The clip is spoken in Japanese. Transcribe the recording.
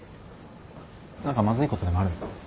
何かまずいことでもあるの？